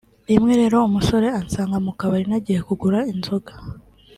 rimwe rero umusore ansanga mu kabari nagiye kugura inzoga